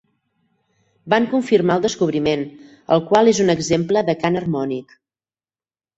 Van confirmar el descobriment, el qual és un exemple de cant harmònic.